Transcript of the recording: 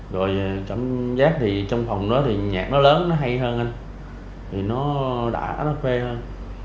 rồi cảm giác thì trong phòng đó thì nhạc nó lớn nó hay hơn anh thì nó đã quê hơn